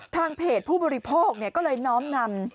ทางเพจผู้บริโภคก็เลยน้อมนำ